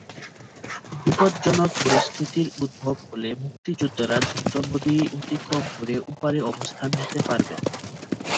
বিপজ্জনক পরিস্থিতির উদ্ভব হলে মুক্তিযোদ্ধারা দ্রুত নদী অতিক্রম করে ওপারে অবস্থান নিতে পারবেন।